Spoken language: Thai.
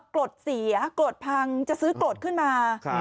กรดเสียกรดพังจะซื้อกรดขึ้นมา